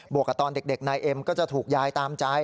วกกับตอนเด็กนายเอ็มก็จะถูกยายตามใจ